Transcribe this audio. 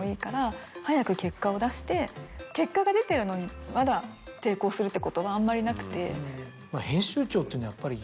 結果が出てるのにまだ抵抗するってことはあんまりなくて。